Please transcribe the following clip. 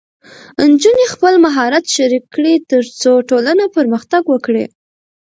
نجونې خپل مهارت شریک کړي، ترڅو ټولنه پرمختګ وکړي.